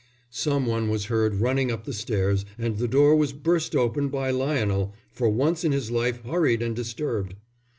Some one was heard running up the stairs and the door was burst open by Lionel, for once in his life hurried and disturbed.